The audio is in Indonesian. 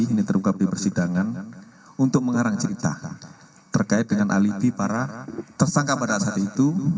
ini terungkap di persidangan untuk mengarang cerita terkait dengan alibi para tersangka pada saat itu